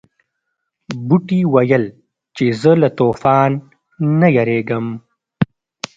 بوټي ویل چې زه له طوفان نه یریږم.